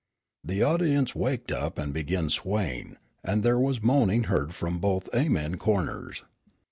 The audience waked up and began swaying, and there was moaning heard from both Amen corners.